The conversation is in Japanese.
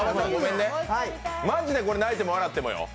マジでこれ、泣いても笑ってもよ。